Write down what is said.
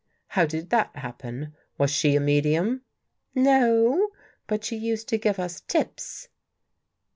" How did that happen? Was she a medium? "" No, but she used to give us tips."